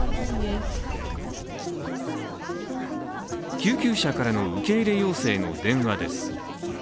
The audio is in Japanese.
救急車からの受け入れ要請の電話です。